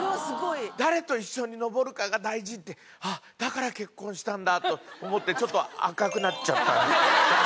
誰と一緒に登るかが大事って、あっ、だから結婚したんだと思って、ちょっと赤くなっちゃった。